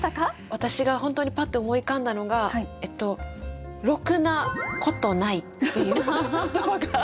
私が本当にパッと思い浮かんだのが「ろくなことない」っていう言葉が。